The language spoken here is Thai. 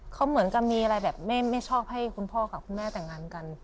เขาเหมือนกับมีอะไรแบบไม่ชอบให้คุณพ่อกับคุณแม่แต่งงานกัน